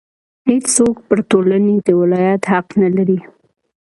هېڅوک پر ټولنې د ولایت حق نه لري.